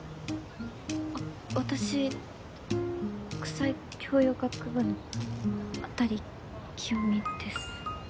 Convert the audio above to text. あっ私国際教養学部の辺清美です。